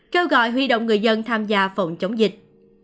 kêu gọi huy động người dân tham gia phòng chống dịch